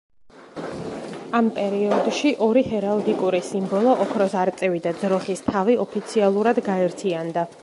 ამ პერიოდში ორი ჰერალდიკური სიმბოლო, ოქროს არწივი და ძროხის თავი, ოფიციალურად გაერთიანდა.